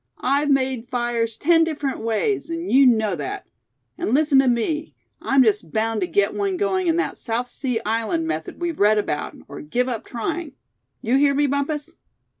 I've made fires ten different ways, and you know that. And listen to me I'm just bound to get one going in that South Sea Island method we've read about, 'or give up trying!' You hear me, Bumpus?"